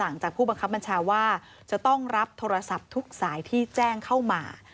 และแจ้งเข้ามา